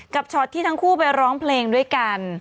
ช็อตที่ทั้งคู่ไปร้องเพลงด้วยกัน